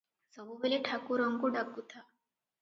ସବୁବେଳେ ଠାକୁରଙ୍କୁ ଡାକୁଥା ।"